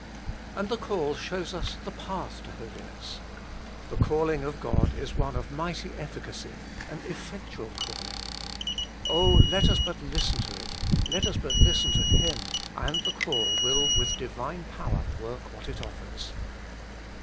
And the call shows us the path to Holiness. The calling of God is one of mighty efficacy, an effectual calling. Oh ! let us but listen to it, let us but listen to Him, and the call will with Divine power work what it offers.